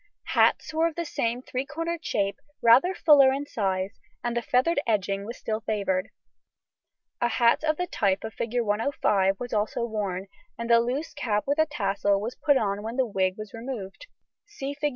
Hats were of the same three cornered shape, rather fuller in size, and the feathered edging was still favoured. A hat of the type of Fig. 105 was also worn; and the loose cap with a tassel was put on when the wig was removed (see Fig.